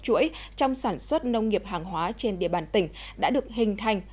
chuỗi trong sản xuất nông nghiệp hàng hóa trên địa bàn tỉnh đã được hình thành